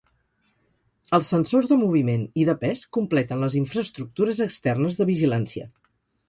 Els sensors de moviment i de pes completen les infraestructures externes de vigilància.